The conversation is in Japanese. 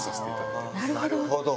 なるほど！